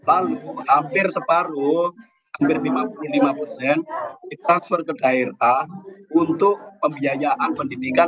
lalu hampir separuh hampir lima puluh lima persen kita suruh ke daerah untuk pembiayaan pendidikan